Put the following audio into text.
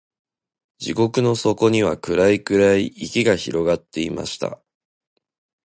地獄の底には、暗い暗い池が広がっていました。